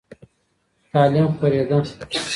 تعلیم خپرېده.